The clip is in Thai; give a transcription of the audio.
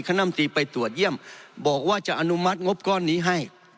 คณะมตรีไปตรวจเยี่ยมบอกว่าจะอนุมัติงบก้อนนี้ให้